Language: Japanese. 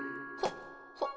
ほっ！